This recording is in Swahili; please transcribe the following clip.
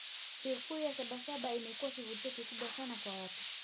sikukuu ya sabasaba imekuwa kivutio kikubwa sana kwa watu